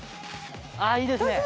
ああいいですね。